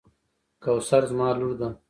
کوثر زما لور ده.